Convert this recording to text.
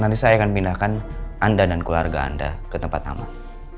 nanti saya akan pindahkan anda dan keluarga anda ke tempat aman